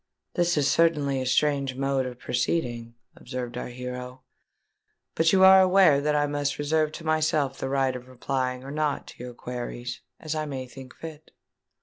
"This is certainly a strange mode of proceeding," observed our hero; "but you are aware that I must reserve to myself the right of replying or not to your queries, as I may think fit."